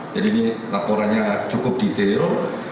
jadi ini laporannya cukup detail